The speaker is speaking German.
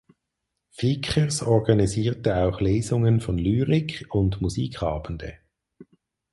Vickers organisierte auch Lesungen von Lyrik und Musikabende.